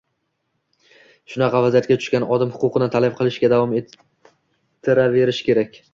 shunaqa vaziyatga tushgan odam huquqini talab qilishda davom etaverishi kerak.